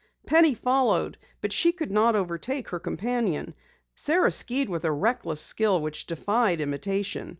Penny followed, but she could not overtake her companion. Sara skied with a reckless skill which defied imitation.